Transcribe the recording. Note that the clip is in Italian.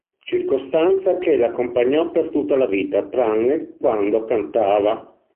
Circostanza che l'accompagnò per tutta la vita, tranne quando cantava.